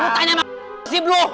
lu tanya sama si bluh